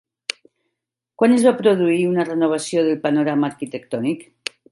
Quan es va produir una renovació del panorama arquitectònic?